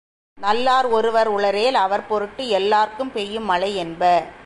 நல்லார் ஒருவர் உளரேல், அவர் பொருட்டு, எல்லார்க்கும் பெய்யும் மழை, என்ப.